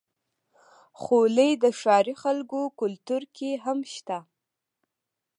خولۍ د ښاري خلکو کلتور کې هم شته.